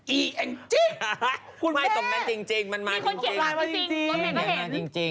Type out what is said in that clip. มีคนเขียนลายมาจริง